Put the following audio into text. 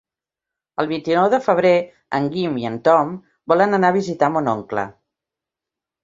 El vint-i-nou de febrer en Guim i en Tom volen anar a visitar mon oncle.